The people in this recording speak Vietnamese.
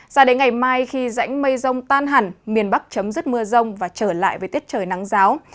ra đến ngày mai khi rãnh mây rông tan hẳn miền bắc chấm dứt mưa rông và trở lại với tiết trời nắng giáo